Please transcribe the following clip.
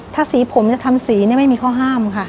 ถ้าสีผมจะทำสีไม่มีข้อห้ามค่ะ